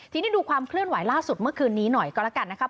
ทีนี้ดูความเคลื่อนไหวล่าสุดเมื่อคืนนี้หน่อยก็แล้วกันนะครับ